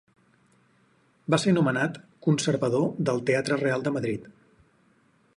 Va ser nomenat conservador del Teatre Real de Madrid.